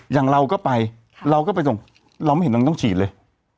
อย่างเราก็ไปเราก็ไปส่งเราไม่เห็นเราต้องฉีดเลย